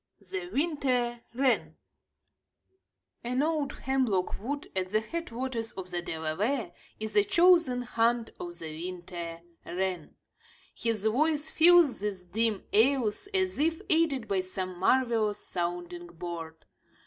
THE WINTER WREN An old hemlock wood at the head waters of the Delaware is a chosen haunt of the winter wren. His voice fills these dim aisles, as if aided by some marvelous sounding board.